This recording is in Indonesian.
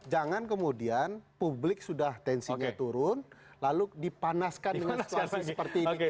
jangan kemudian publik sudah tensinya turun lalu dipanaskan dengan situasi seperti ini